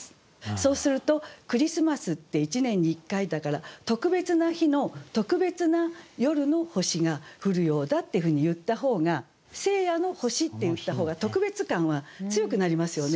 そうするとクリスマスって一年に１回だから特別な日の特別な夜の星が降るようだってふうに言った方が「聖夜の星」って言った方が特別感は強くなりますよね。